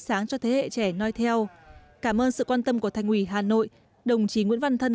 sáng cho thế hệ trẻ nói theo cảm ơn sự quan tâm của thành ủy hà nội đồng chí nguyễn văn thân